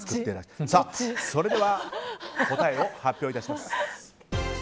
それでは、答えを発表します。